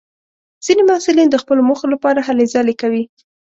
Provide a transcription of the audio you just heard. ځینې محصلین د خپلو موخو لپاره هلې ځلې کوي.